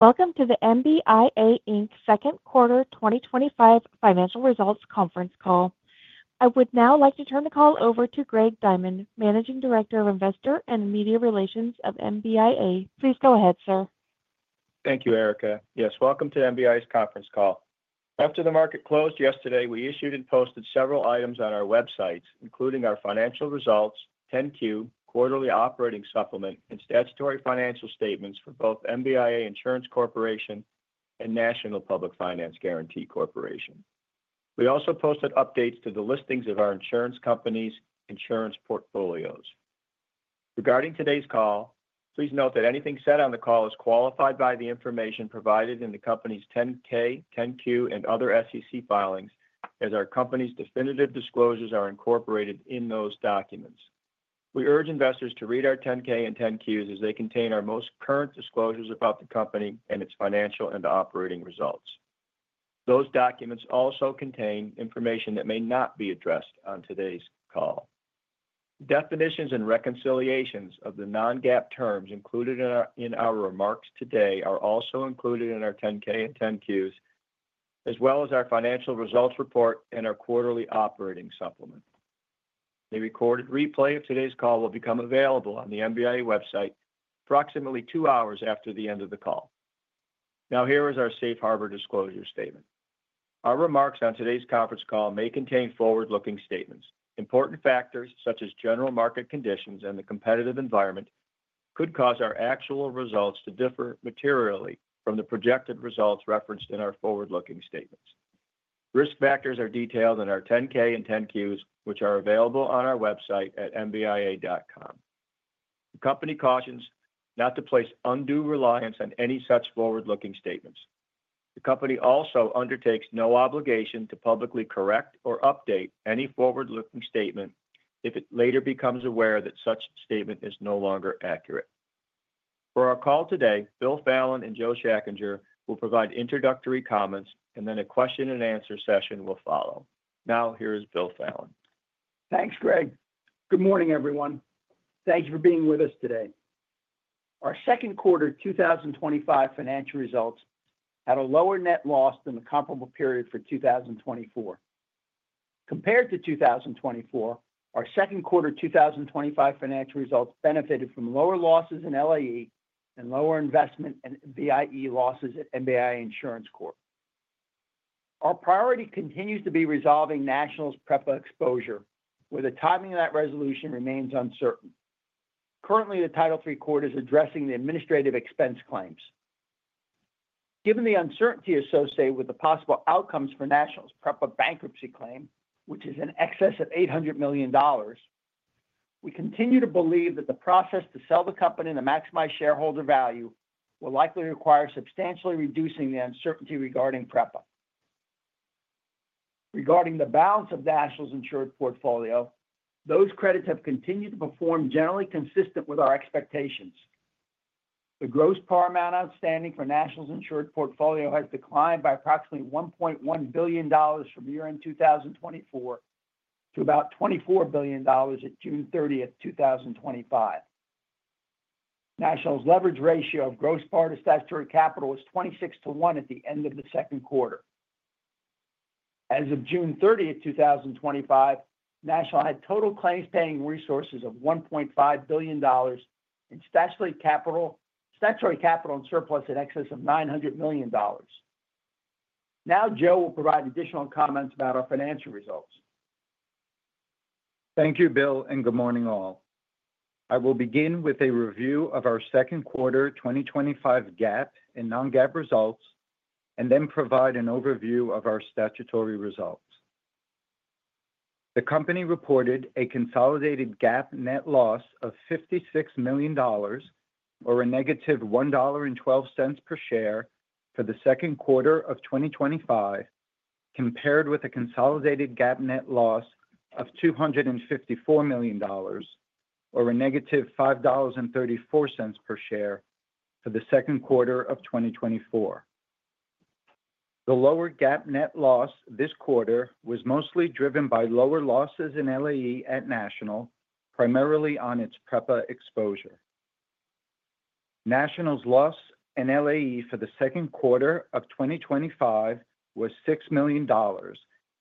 Welcome to the MBIA Inc Second Quarter 2025 Financial Results Conference Call. I would now like to turn the call over to Greg Diamond, Managing Director of Investor and Media Relations of MBIA. Please go ahead, sir. Thank you, Erica. Yes, welcome to MBIA's Conference Call. After the market closed yesterday, we issued and posted several items on our websites, including our financial results, 10-Q, quarterly operating supplement, and statutory financial statements for both MBIA Insurance Corporation and National Public Finance Guarantee Corporation. We also posted updates to the listings of our insurance companies' insurance portfolios. Regarding today's call, please note that anything said on the call is qualified by the information provided in the company's 10-K, 10-Q, and other SEC filings as our company's definitive disclosures are incorporated in those documents. We urge investors to read our 10-K and 10-Qs as they contain our most current disclosures about the company and its financial and operating results. Those documents also contain information that may not be addressed on today's call. Definitions and reconciliations of the non-GAAP terms included in our remarks today are also included in our 10-K and 10-Qs, as well as our financial results report and our quarterly operating supplement. The recorded replay of today's call will become available on the MBIA website approximately two hours after the end of the call. Now, here is our safe harbor disclosure statement. Our remarks on today's conference call may contain forward-looking statements. Important factors, such as general market conditions and the competitive environment, could cause our actual results to differ materially from the projected results referenced in our forward-looking statements. Risk factors are detailed in our 10-K and 10-Qs, which are available on our website at mbia.com. The company cautions not to place undue reliance on any such forward-looking statements. The company also undertakes no obligation to publicly correct or update any forward-looking statement if it later becomes aware that such a statement is no longer accurate. For our call today, Bill Fallon and Joe Schachinger will provide introductory comments, and then a question and answer session will follow. Now, here is Bill Fallon. Thanks, Greg. Good morning, everyone. Thank you for being with us today. Our second quarter 2025 financial results had a lower net loss than the comparable period for 2024. Compared to 2024, our second quarter 2025 financial results benefited from lower losses in LAE and lower investment and BIE losses at MBIA Insurance Corp. Our priority continues to be resolving National's PREPA exposure, where the timing of that resolution remains uncertain. Currently, the Title III court is addressing the administrative expense claims. Given the uncertainty associated with the possible outcomes for National's PREPA bankruptcy claim, which is in excess of $800 million, we continue to believe that the process to sell the company to maximize shareholder value will likely require substantially reducing the uncertainty regarding PREPA. Regarding the balance of National's insured portfolio, those credits have continued to perform generally consistent with our expectations. The gross par amount outstanding for National's insured portfolio has declined by approximately $1.1 billion from year-end 2024 to about $24 billion at June 30th, 2025. National's leverage ratio of gross par to statutory capital was $26 billion to $1 bliion at the end of the second quarter. As of June 30, 2025, National had total claims-paying resources of $1.5 billion and statutory capital and surplus in excess of $900 million. Now, Joe will provide additional comments about our financial results. Thank you, Bill, and good morning all. I will begin with a review of our second quarter 2025 GAAP and non-GAAP results and then provide an overview of our statutory results. The company reported a consolidated GAAP net loss of $56 million, or a -$1.12 per share for the second quarter of 2025, compared with a consolidated GAAP net loss of $254 million, or a -$5.34 per share for the second quarter of 2024. The lower GAAP net loss this quarter was mostly driven by lower losses in LAE at National, primarily on its PREPA exposure. National's loss in LAE for the second quarter of 2025 was $6 million,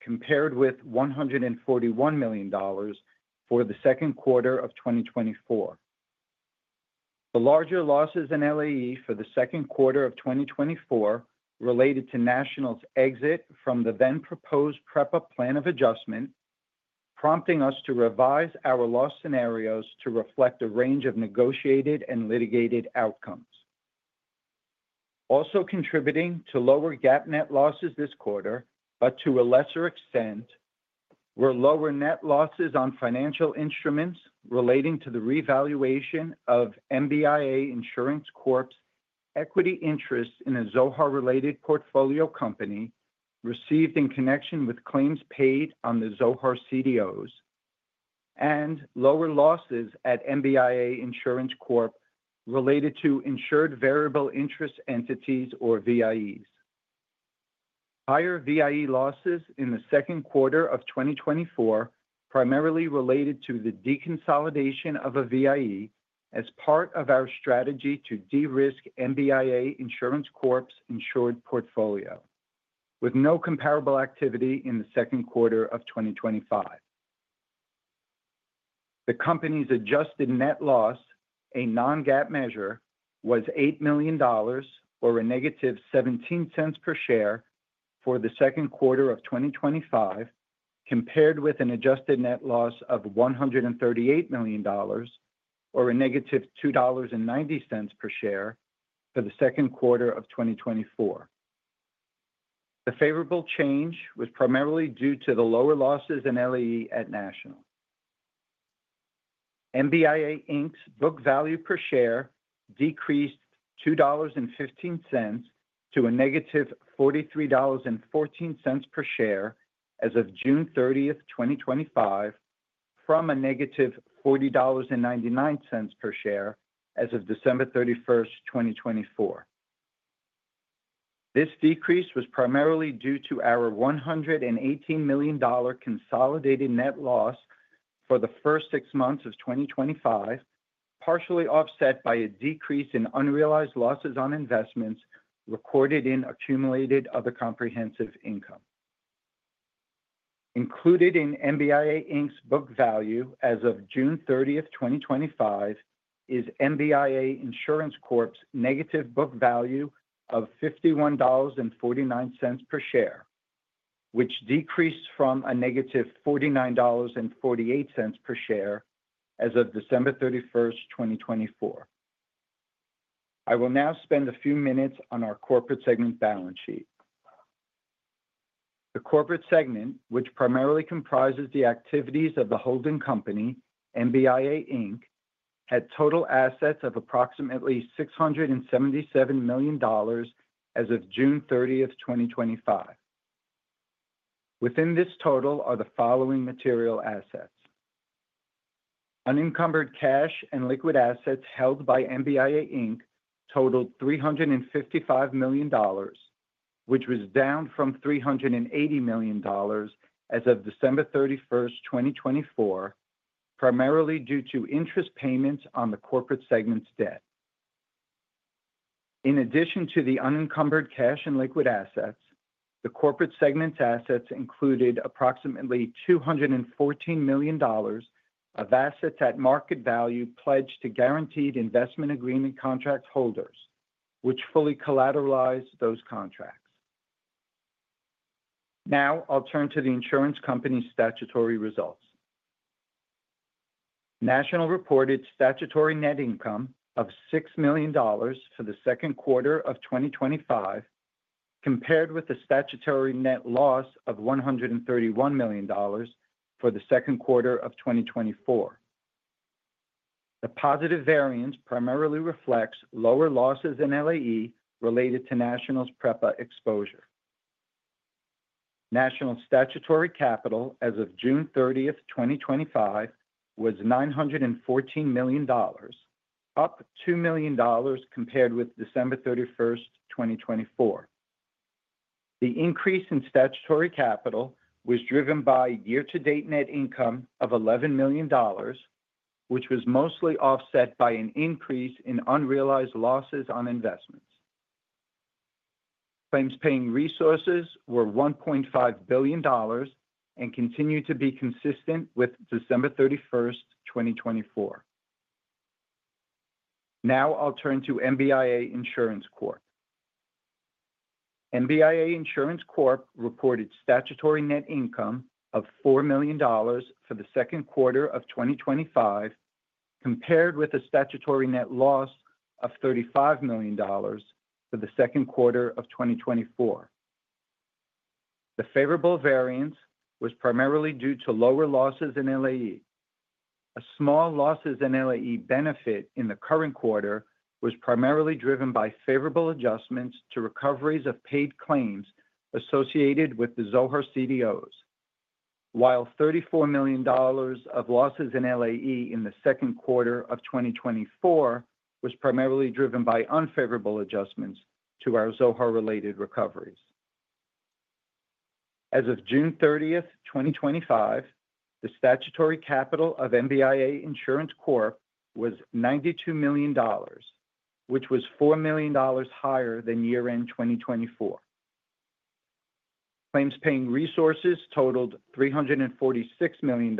compared with $141 million for the second quarter of 2024. The larger losses in LAE for the second quarter of 2024 related to National's exit from the then proposed PREPA plan of adjustment, prompting us to revise our loss scenarios to reflect a range of negotiated and litigated outcomes. Also contributing to lower GAAP net losses this quarter, but to a lesser extent, were lower net losses on financial instruments relating to the revaluation of MBIA Insurance Corp's equity interests in a Zohar-related portfolio company received in connection with claims paid on the Zohar CDOs and lower losses at MBIA Insurance Corp related to insured variable interest entities, or VIEs. Higher VIE losses in the second quarter of 2024 primarily related to the deconsolidation of a VIE as part of our strategy to de-risk MBIA Insurance Corp's insured portfolio, with no comparable activity in the second quarter of 2025. The company's adjusted net loss, a non-GAAP measure, was $8 million, or a -$0.17 per share for the second quarter of 2025, compared with an adjusted net loss of $138 million, or a -$2.90 per share for the second quarter of 2024. The favorable change was primarily due to the lower losses in LAE at National. MBIA Inc's book value per share decreased $2.15 to a -$43.14 per share as of June 30th, 2025, from a -$40.99 per share as of December 31st, 2024. This decrease was primarily due to our $118 million consolidated net loss for the first six months of 2025, partially offset by a decrease in unrealized losses on investments recorded in accumulated other comprehensive income. Included in MBIA Inc's book value as of June 30th, 2025, is MBIA Insurance Corp's negative book value of $51.49 per share, which decreased from a -$49.48 per share as of December 31st, 2024. I will now spend a few minutes on our corporate segment balance sheet. The corporate segment, which primarily comprises the activities of the holding company, MBIA Inc, had total assets of approximately $677 million as of June 30th, 2025. Within this total are the following material assets: unencumbered cash and liquid assets held by MBIA Inc totaled $355 million, which was down from $380 million as of December 31st, 2024, primarily due to interest payments on the corporate segment's debt. In addition to the unencumbered cash and liquid assets, the corporate segment's assets included approximately $214 million of assets at market value pledged to guaranteed investment agreement contract holders, which fully collateralized those contracts. Now, I'll turn to the insurance company's statutory results. National reported statutory net income of $6 million for the second quarter of 2025, compared with the statutory net loss of $131 million for the second quarter of 2024. The positive variance primarily reflects lower losses in LAE related to National's PREPA exposure. National's statutory capital as of June 30th, 2025, was $914 million, up $2 million compared with December 31st, 2024. The increase in statutory capital was driven by year-to-date net income of $11 million, which was mostly offset by an increase in unrealized losses on investments. Claims-paying resources were $1.5 billion and continue to be consistent with December 31st, 2024. Now, I'll turn to MBIA Insurance Corp. MBIA Insurance Corp reported statutory net income of $4 million for the second quarter of 2025, compared with a statutory net loss of $35 million for the second quarter of 2024. The favorable variance was primarily due to lower losses in LAE. A small losses in LAE benefit in the current quarter was primarily driven by favorable adjustments to recoveries of paid claims associated with the Zohar CDOs, while $34 million of losses in LAE in the second quarter of 2024 was primarily driven by unfavorable adjustments to our Zohar-related recoveries. As of June 30th, 2025, the statutory capital of MBIA Insurance Corp was $92 million, which was $4 million higher than year-end 2024. Claims-paying resources totaled $346 million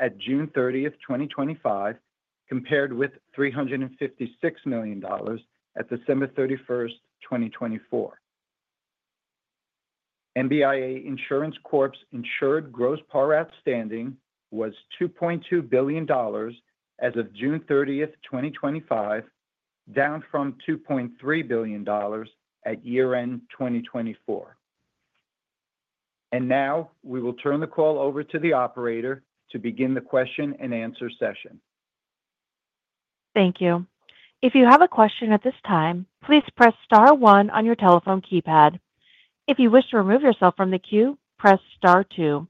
at June 30th, 2025, compared with $356 million at December 31st, 2024. MBIA Insurance Corp's insured gross par outstanding was $2.2 billion as of June 30th, 2025, down from $2.3 billion at year-end 2024. We will turn the call over to the operator to begin the question-and-answer session. Thank you. If you have a question at this time, please press star one on your telephone keypad. If you wish to remove yourself from the queue, press star two.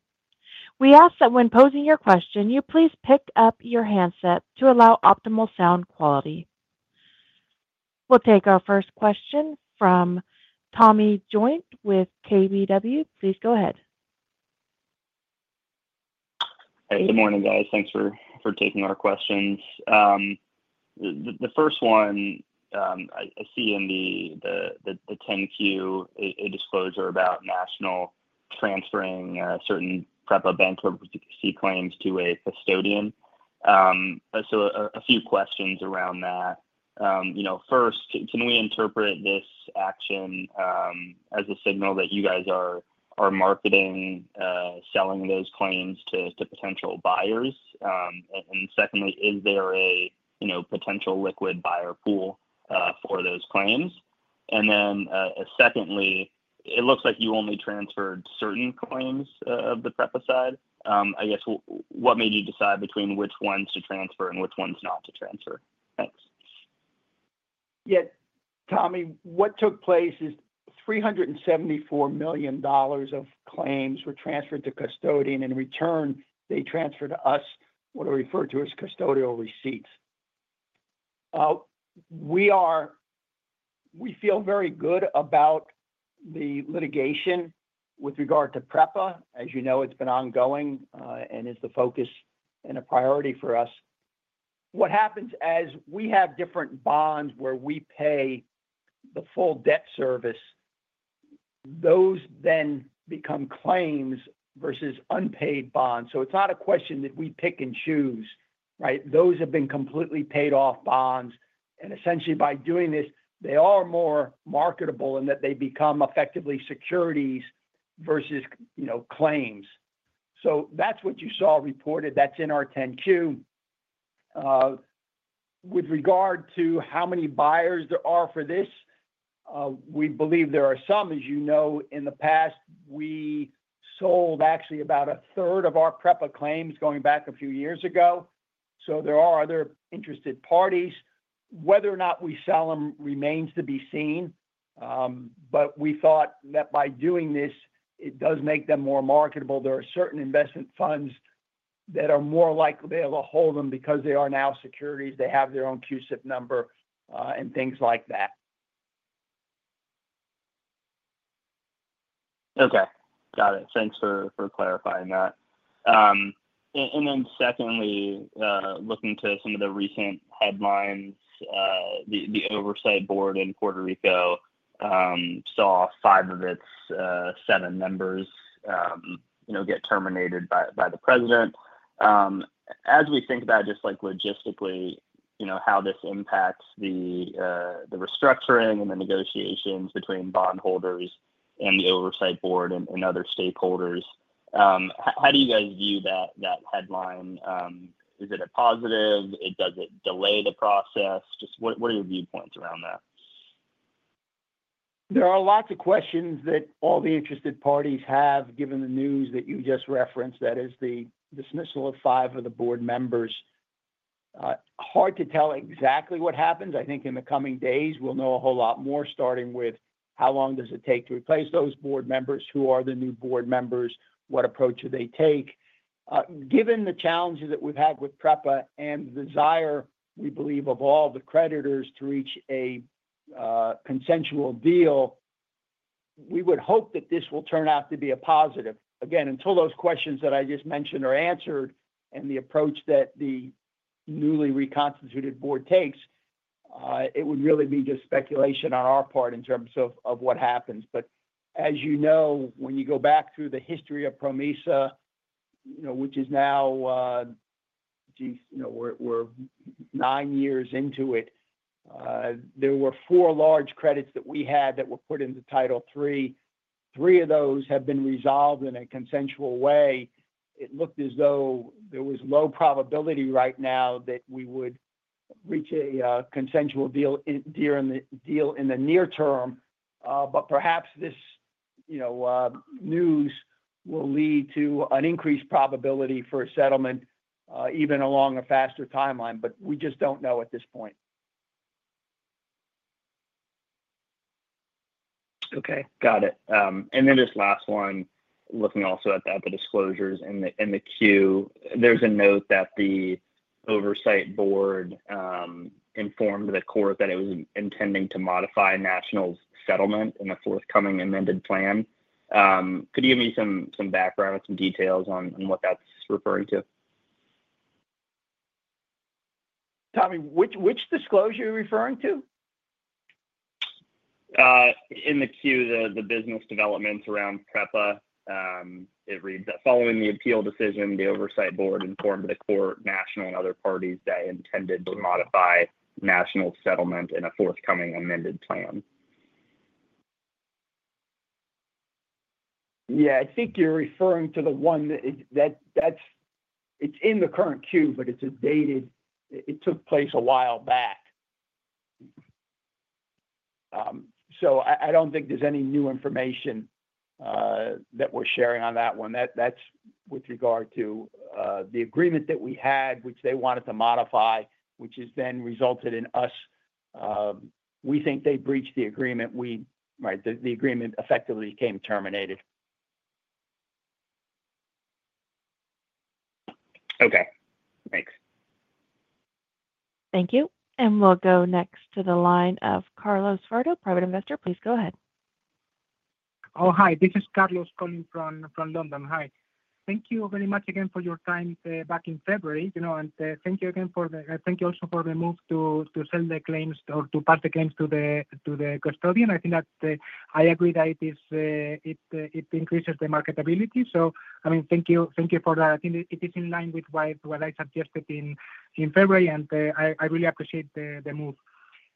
We ask that when posing your question, you please pick up your handset to allow optimal sound quality. We'll take our first question from Tommy Joynt with KBW. Please go ahead. Good morning, guys. Thanks for taking our questions. The first one, I see in the 10-Q a disclosure about National transferring certain PREPA bankruptcy claims to a custodian. A few questions around that. First, can we interpret this action as a signal that you guys are marketing, selling those claims to potential buyers? Secondly, is there a potential liquid buyer pool for those claims? It looks like you only transferred certain claims on the PREPA side. I guess what made you decide between which ones to transfer and which ones not to transfer? Thanks. Yeah, Tommy, what took place is $374 million of claims were transferred to a custodian, and in return, they transferred to us what are referred to as custodial receipts. We are, we feel very good about the litigation with regard to PREPA. As you know, it's been ongoing and is the focus and a priority for us. What happens as we have different bonds where we pay the full debt service, those then become claims versus unpaid bonds. It's not a question that we pick and choose, right? Those have been completely paid off bonds. Essentially, by doing this, they are more marketable in that they become effectively securities versus, you know, claims. That's what you saw reported. That's in our 10-Q. With regard to how many buyers there are for this, we believe there are some. As you know, in the past, we sold actually about a third of our PREPA claims going back a few years ago. There are other interested parties. Whether or not we sell them remains to be seen. We thought that by doing this, it does make them more marketable. There are certain investment funds that are more likely to be able to hold them because they are now securities. They have their own CUSIP number, and things like that. Okay. Got it. Thanks for clarifying that. Secondly, looking to some of the recent headlines, the oversight board in Puerto Rico saw five of its seven members get terminated by the President. As we think about just logistically how this impacts the restructuring and the negotiations between bondholders and the oversight board and other stakeholders, how do you guys view that headline? Is it a positive? Does it delay the process? What are your viewpoints around that? There are lots of questions that all the interested parties have given the news that you just referenced. That is the dismissal of five of the board members. Hard to tell exactly what happens. I think in the coming days, we'll know a whole lot more, starting with how long does it take to replace those board members? Who are the new board members? What approach do they take? Given the challenges that we've had with PREPA and the desire, we believe, of all the creditors to reach a consensual deal, we would hope that this will turn out to be a positive. Again, until those questions that I just mentioned are answered and the approach that the newly reconstituted board takes, it would really be just speculation on our part in terms of what happens. As you know, when you go back through the history of PROMESA, which is now, geez, we're nine years into it. There were four large credits that we had that were put into Title III. Three of those have been resolved in a consensual way. It looked as though there was low probability right now that we would reach a consensual deal in the near term. Perhaps this news will lead to an increased probability for a settlement, even along a faster timeline. We just don't know at this point. Okay. Got it. And then just last one, looking also at the disclosures in the in the Q, there's a note that the Oversight Board informed the court that it was intending to modify National's settlement in a forthcoming amended plan. Could you give me some background and some details on what that's referring to? Tommy, which disclosure are you referring to? In the queue, the business developments around PREPA. It reads that following the appeal decision, the Oversight Board informed the court, National, and other parties that it intended to modify National's settlement in a forthcoming amended plan. Yeah, I think you're referring to the one that's in the current queue, but it's dated, it took place a while back. I don't think there's any new information that we're sharing on that one. That's with regard to the agreement that we had, which they wanted to modify, which has then resulted in us, we think they breached the agreement. The agreement effectively became terminated. Okay. Thanks. Thank you. We'll go next to the line of [Carlos Fardo], private investor. Please go ahead. Oh, hi. This is Carlos calling from London. Hi. Thank you very much again for your time back in February, and thank you also for the move to sell the claims or to pass the claims to the custodian. I think that I agree that it increases the marketability. Thank you for that. I think it is in line with what I suggested in February, and I really appreciate the move.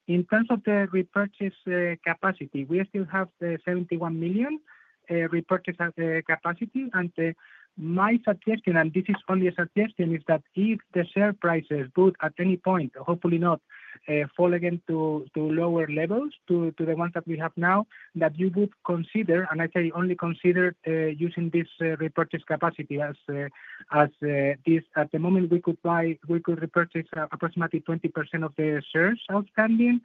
In terms of the repurchase capacity, we still have the $71 million repurchase capacity. My suggestion, and this is only a suggestion, is that if the share prices boost at any point, hopefully not fall again to lower levels, to the ones that we have now, that you would consider, and I say only consider using this repurchase capacity as is at the moment. We could buy, we could repurchase approximately 20% of the shares outstanding.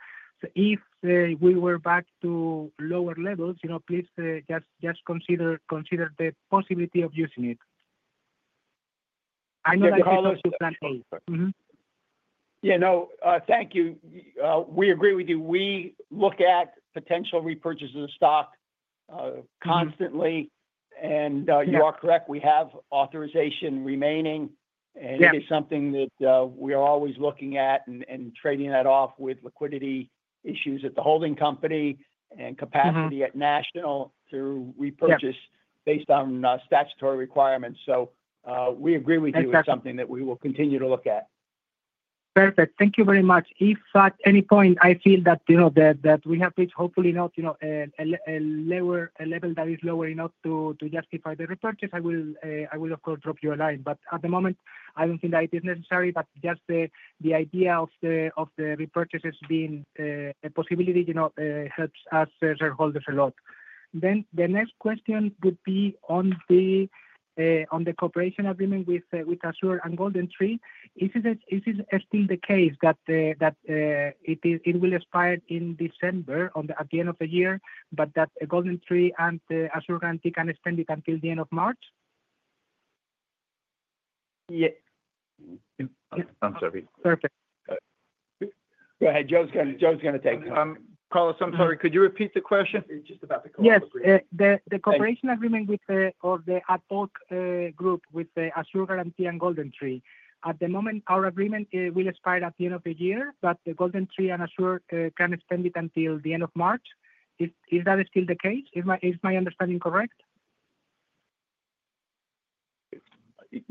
If we were back to lower levels, please just consider the possibility of using it. Thank you. We agree with you. We look at potential repurchases of stock constantly. You are correct, we have authorization remaining, and it is something that we are always looking at and trading that off with liquidity issues at the holding company and capacity at National through repurchase based on statutory requirements. We agree with you, it's something that we will continue to look at. Perfect. Thank you very much. If at any point I feel that we have reached, hopefully not, a level that is low enough to justify the repurchase, I will, of course, drop you a line. At the moment, I don't think that it is necessary. Just the idea of the repurchases being a possibility helps us shareholders a lot. The next question would be on the cooperation agreement with Assured and GoldenTree. Is it still the case that it will expire in December at the end of the year, but that GoldenTree and Assured can extend it until the end of March? Yes. I'm sorry. Perfect. Go ahead. Joe is going to take it. Carlos, I'm sorry. Could you repeat the question? Yes. The cooperation agreement of the both groups with Assured Guaranty and GoldenTree. At the moment, our agreement will expire at the end of the year, but GoldenTree and Assured can extend it until the end of March. Is that still the case? Is my understanding correct?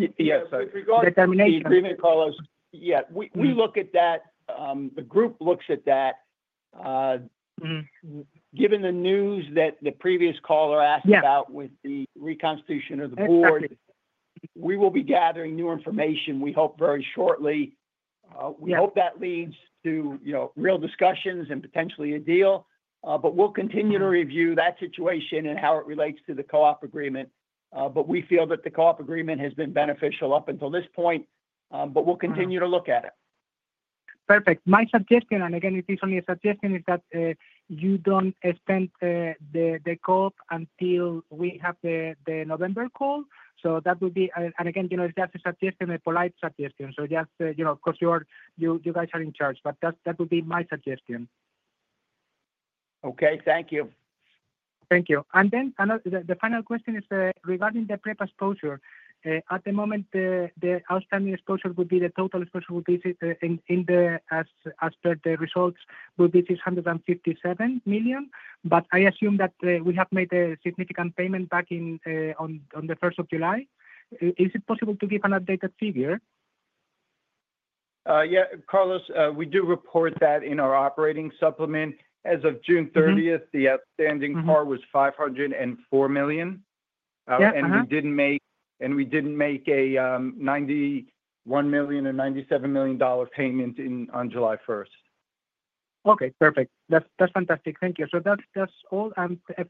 Yes. Determination. Yeah, we look at that. The group looks at that. Given the news that the previous caller asked about with the reconstitution of the board, we will be gathering new information, we hope, very shortly. We hope that leads to real discussions and potentially a deal. We will continue to review that situation and how it relates to the co-op agreement. We feel that the co-op agreement has been beneficial up until this point. We will continue to look at it. Perfect. My suggestion, and again, it is only a suggestion, is that you don't extend the co-op until we have the November call. That would be, and again, you know, it's just a suggestion, a polite suggestion. You are in charge. That would be my suggestion. Okay, thank you. Thank you. The final question is regarding the PREPA exposure. At the moment, the outstanding exposure would be the total exposure would be, as per the results, $657 million. I assume that we have made a significant payment back on the 1st of July. Is it possible to give an updated figure? Yeah. Carlos, we do report that in our operating supplement. As of June 30th, the outstanding par was $504 million. We did make a $91 million and $97 million payment on July 1st. Okay. Perfect. That's fantastic. Thank you. That's all.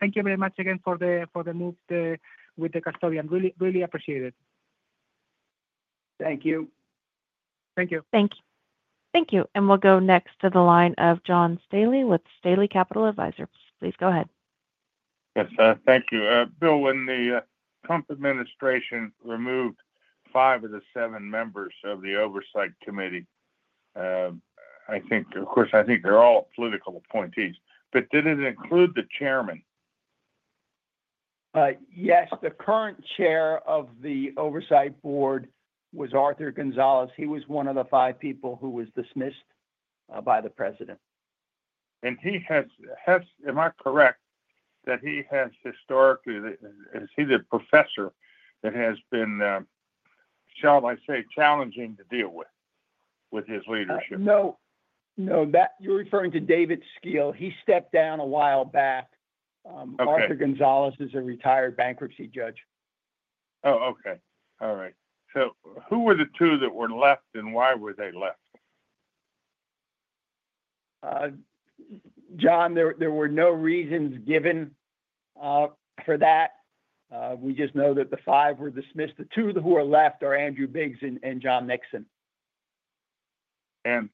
Thank you very much again for the move with the custodian. Really, really appreciate it. Thank you. Thank you. Thank you. Thank you. We'll go next to the line of John Staley with Staley Capital Advisors. Please go ahead. Thank you. Bill, when the Trump administration removed five of the seven members of the oversight committee, I think they're all political appointees. Did it include the chairman? Yes. The current Chair of the Oversight Board was Arthur Gonzalez. He was one of the five people who was dismissed by the President. Am I correct that he has historically, is he the professor that has been, shall I say, challenging to deal with with his leadership? No, that you're referring to David Skill. He stepped down a while back. Arthur Gonzalez is a retired bankruptcy judge. Okay. All right. Who were the two that were left, and why were they left? John, there were no reasons given for that. We just know that the five were dismissed. The two who were left are Andrew Biggs and John Nixon. Do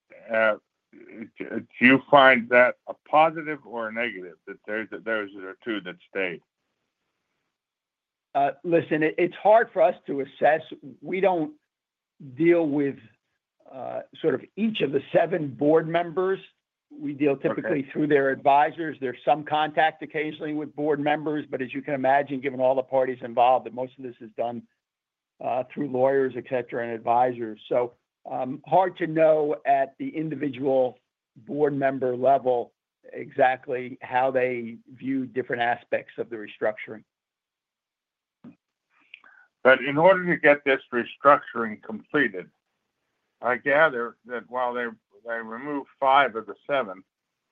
you find that a positive or a negative that those are two that stayed? Listen, it's hard for us to assess. We don't deal with each of the seven board members. We deal typically through their advisors. There's some contact occasionally with board members. As you can imagine, given all the parties involved, most of this is done through lawyers, etc., and advisors. It's hard to know at the individual board member level exactly how they view different aspects of the restructuring. In order to get this restructuring completed, I gather that while they removed five of the seven,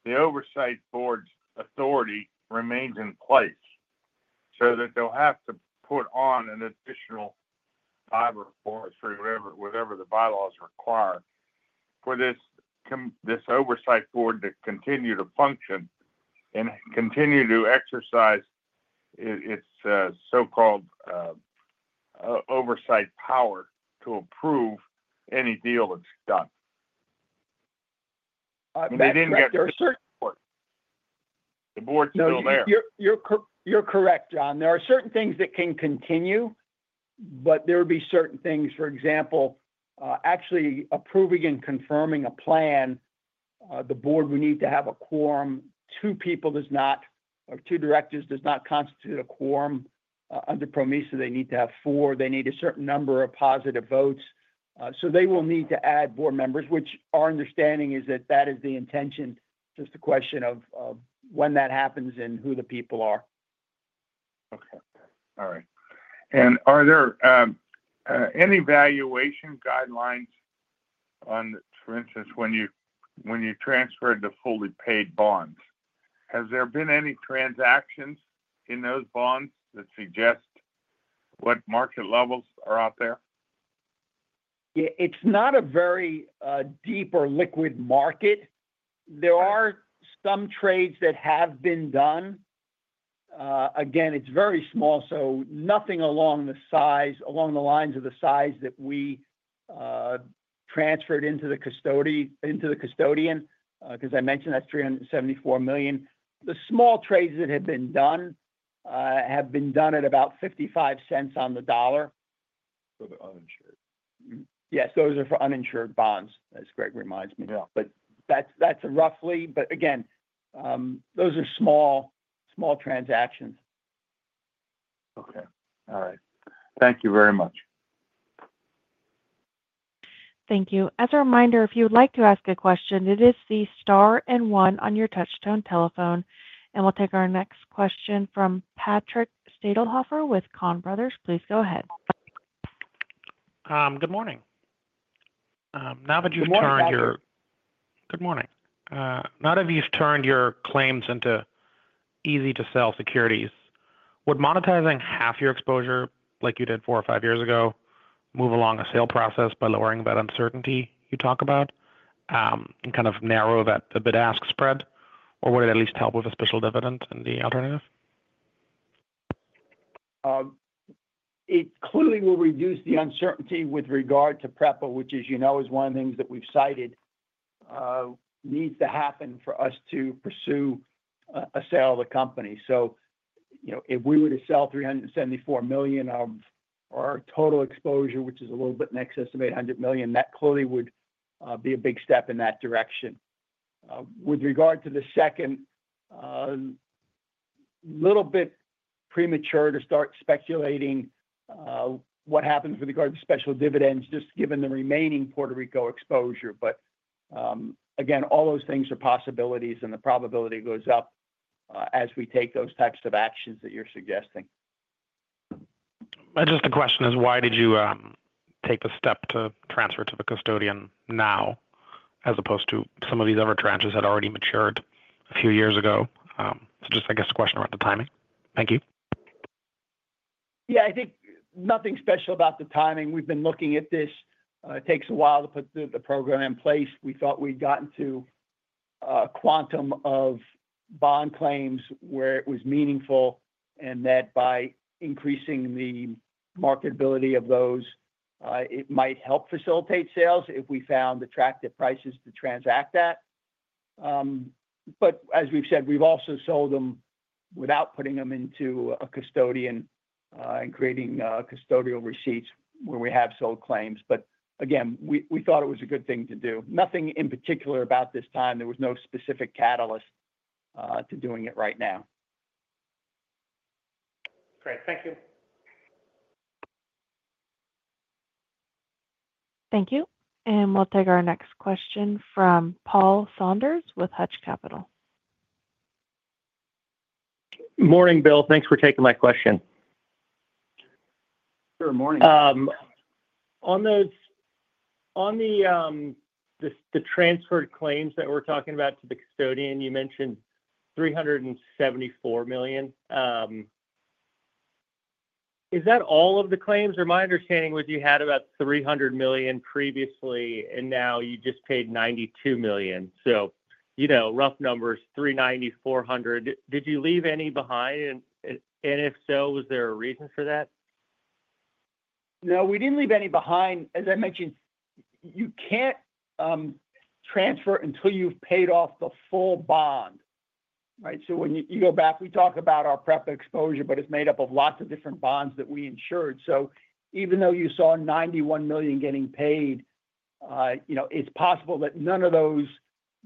the Oversight Board's authority remains in place so that they'll have to put on an additional five or four or three or whatever the bylaws require for this Oversight Board to continue to function and continue to exercise its so-called oversight power to approve any deal that's done. There are certain boards. The Board's still there. You're correct, John. There are certain things that can continue, but there would be certain things, for example, actually approving and confirming a plan. The board would need to have a quorum. Two people, or two directors, does not constitute a quorum. Under PROMESA, they need to have four. They need a certain number of positive votes. They will need to add board members, which our understanding is that that is the intention. It is just a question of when that happens and who the people are. Okay. All right. Are there any valuation guidelines on, for instance, when you transferred the fully paid bonds? Has there been any transactions in those bonds that suggest what market levels are out there? Yeah, it's not a very deep or liquid market. There are some trades that have been done. It's very small, so nothing along the lines of the size that we transferred into the custodian, because I mentioned that's $374 million. The small trades that have been done have been done at about $0.55 on the dollar. For the uninsured? Yes, those are for uninsured bonds, as Greg reminds me. That's roughly, again, those are small, small transactions. Okay. All right. Thank you very much. Thank you. As a reminder, if you would like to ask a question, it is the star and one on your touch-tone telephone. We'll take our next question from Patrick Stadelhoffer with Kahn Brothers. Please go ahead. Good morning. Now that you've turned your. Good morning. Good morning. Now that you've turned your claims into easy-to-sell securities, would monetizing half your exposure like you did four or five years ago move along a sale process by lowering that uncertainty you talk about and kind of narrow the bid-ask spread, or would it at least help with a special dividend in the alternative? It clearly will reduce the uncertainty with regard to PREPA, which, as you know, is one of the things that we've cited needs to happen for us to pursue a sale of the company. If we were to sell $374 million of our total exposure, which is a little bit in excess of $800 million, that clearly would be a big step in that direction. With regard to the second, it's a little bit premature to start speculating what happens with regard to special dividends, just given the remaining Puerto Rico exposure. Again, all those things are possibilities, and the probability goes up as we take those types of actions that you're suggesting. The question is, why did you take the step to transfer to the custodian now as opposed to some of these other tranches that already matured a few years ago? I guess a question around the timing. Thank you. Yeah, I think nothing special about the timing. We've been looking at this. It takes a while to put the program in place. We thought we'd gotten to a quantum of bond claims where it was meaningful, and that by increasing the marketability of those, it might help facilitate sales if we found attractive prices to transact at. As we've said, we've also sold them without putting them into a custodian and creating custodial receipts where we have sold claims. Again, we thought it was a good thing to do. Nothing in particular about this time. There was no specific catalyst to doing it right now. Great, thank you. Thank you. We'll take our next question from Paul Saunders with Hutch Capital. Morning, Bill. Thanks for taking my question. Sure. Morning. On the transfer claims that we're talking about to the custodian, you mentioned $374 million. Is that all of the claims? My understanding was you had about $300 million previously, and now you just paid $92 million. Rough numbers, $390 million, $400 million. Did you leave any behind? If so, was there a reason for that? No, we didn't leave any behind. As I mentioned, you can't transfer until you've paid off the full bond, right? When you go back, we talk about our PREPA exposure, but it's made up of lots of different bonds that we insured. Even though you saw $91 million getting paid, it's possible that none of those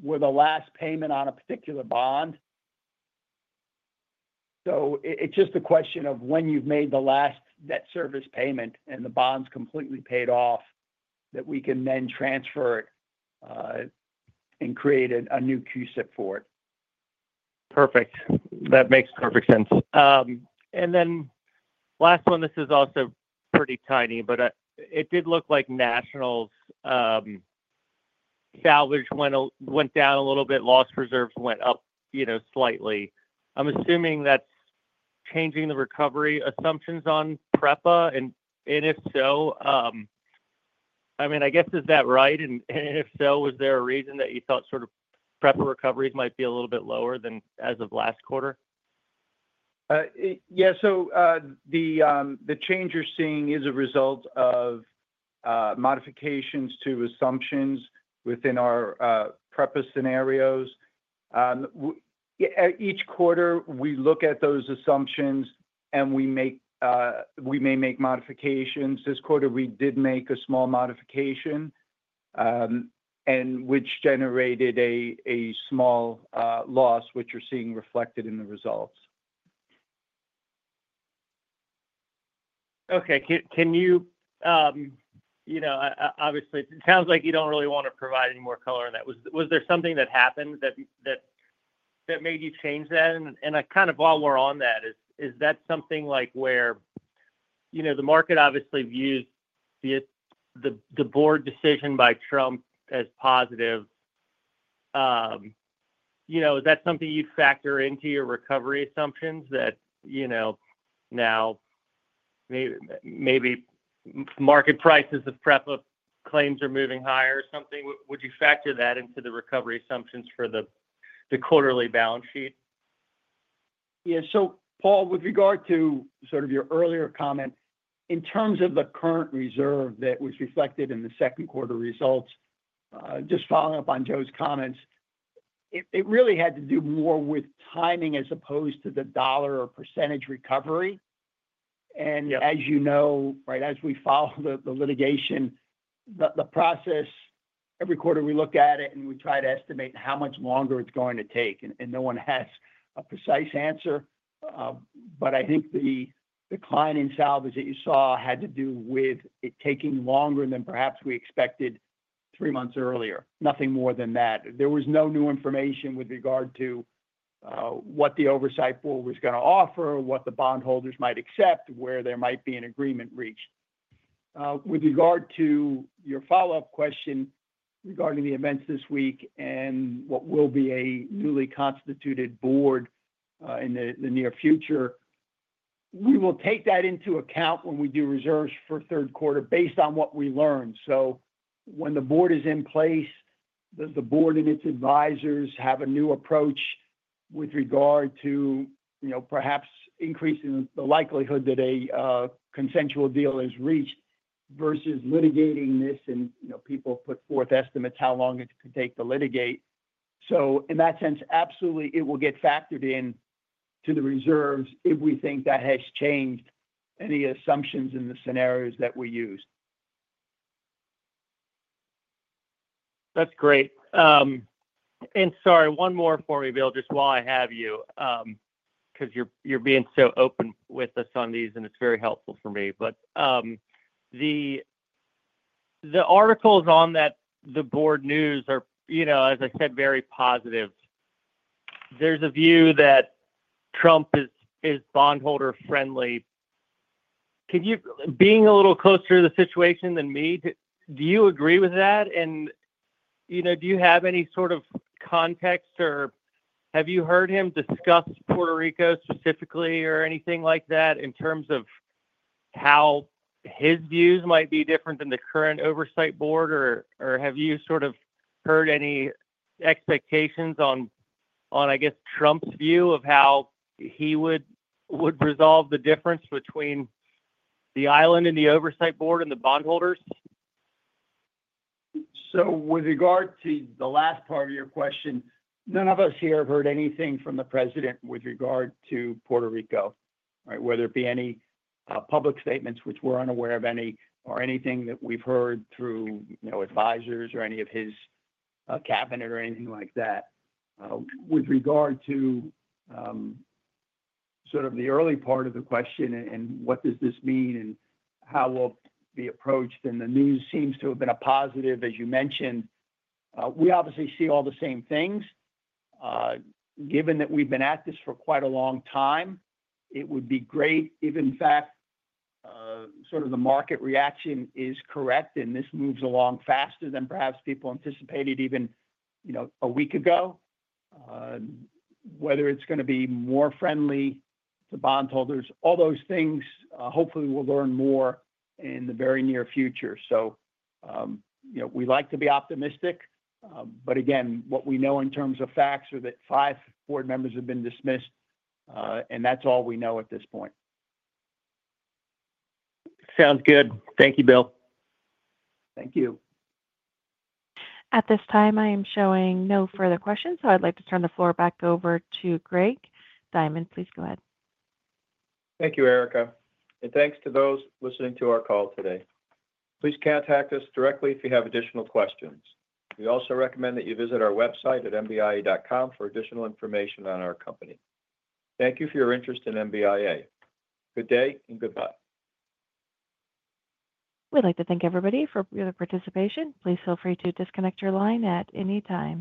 were the last payment on a particular bond. It's just a question of when you've made the last debt service payment and the bond's completely paid off that we can then transfer it and create a new CUSIP for it. Perfect. That makes perfect sense. Last one, this is also pretty tiny, but it did look like National's salvage went down a little bit. Loss reserves went up slightly. I'm assuming that's changing the recovery assumptions on PREPA. If so, I mean, I guess is that right? If so, was there a reason that you thought sort of PREPA recoveries might be a little bit lower than as of last quarter? Yeah. The change you're seeing is a result of modifications to assumptions within our PREPA scenarios. Each quarter, we look at those assumptions, and we may make modifications. This quarter, we did make a small modification, which generated a small loss, which you're seeing reflected in the results. Okay. Can you, you know, obviously, it sounds like you don't really want to provide any more color on that. Was there something that happened that made you change that? While we're on that, is that something like where, you know, the market obviously views the board decision by Trump as positive? Is that something you'd factor into your recovery assumptions, that now maybe market prices of PREPA claims are moving higher or something? Would you factor that into the recovery assumptions for the quarterly balance sheet? Yeah. Paul, with regard to your earlier comment, in terms of the current reserve that was reflected in the second quarter results, just following up on Joe's comments, it really had to do more with timing as opposed to the dollar or % recovery. As you know, as we follow the litigation process, every quarter we look at it and we try to estimate how much longer it's going to take. No one has a precise answer. I think the declining salvage that you saw had to do with it taking longer than perhaps we expected three months earlier. Nothing more than that. There was no new information with regard to what the oversight pool was going to offer, what the bondholders might accept, or where there might be an agreement reached. With regard to your follow-up question regarding the events this week and what will be a newly constituted board in the near future, we will take that into account when we do reserves for third quarter based on what we learn. When the board is in place, does the board and its advisors have a new approach with regard to perhaps increasing the likelihood that a consensual deal is reached versus litigating this and people put forth estimates how long it could take to litigate? In that sense, absolutely, it will get factored into the reserves if we think that has changed any assumptions in the scenarios that we used. That's great. Sorry, one more for me, Bill, just while I have you, because you're being so open with us on these, and it's very helpful for me. The articles on that, the board news are, you know, as I said, very positive. There's a view that Trump is bondholder-friendly. Can you, being a little closer to the situation than me, do you agree with that? Do you have any sort of context, or have you heard him discuss Puerto Rico specifically or anything like that in terms of how his views might be different than the current oversight board? Have you heard any expectations on, I guess, Trump's view of how he would resolve the difference between the island and the oversight board and the bondholders? With regard to the last part of your question, none of us here have heard anything from the President with regard to Puerto Rico, right? Whether it be any public statements, which we're unaware of any, or anything that we've heard through advisors or any of his cabinet or anything like that. With regard to the early part of the question and what does this mean and how will it be approached, and the news seems to have been a positive, as you mentioned, we obviously see all the same things. Given that we've been at this for quite a long time, it would be great if, in fact, the market reaction is correct and this moves along faster than perhaps people anticipated even a week ago. Whether it's going to be more friendly to bondholders, all those things, hopefully, we'll learn more in the very near future. We like to be optimistic. Again, what we know in terms of facts are that five board members have been dismissed, and that's all we know at this point. Sounds good. Thank you, Bill. Thank you. At this time, I am showing no further questions, so I'd like to turn the floor back over to Greg Diamond. Please go ahead. Thank you, Erica, and thanks to those listening to our call today. Please contact us directly if you have additional questions. We also recommend that you visit our website at mbia.com for additional information on our company. Thank you for your interest in MBIA. Good day and goodbye. We'd like to thank everybody for your participation. Please feel free to disconnect your line at any time.